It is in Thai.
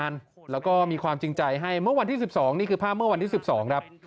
แล้วก็มีความจริงใจให้เมื่อวันที่๑๒นี่คือภาพเมื่อวันที่๑๒ครับ